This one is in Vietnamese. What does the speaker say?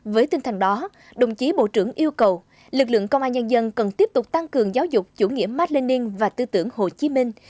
với tinh thần đó đồng chí bộ trưởng yêu cầu lực lượng công an nhân dân cần tiếp tục tăng cường giáo dục chủ nghĩa mark lenin và tư tưởng hồ chí minh